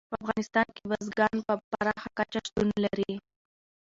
په افغانستان کې بزګان په پراخه کچه شتون لري.